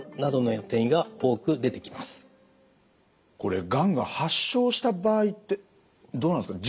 これがんが発症した場合ってどうなんですか？